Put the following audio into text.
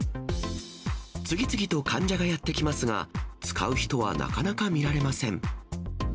次々と患者がやって来ますが、使う人はなかなか見られません。